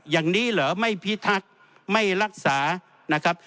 อย่างนี้เหรอไม่พิทักษ์ไม่รักษานะครับ